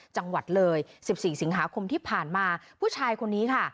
จังหวัดเลย๑๔สิงหาคมที่ผ่านมาผู้ชายคนนี้ค่ะ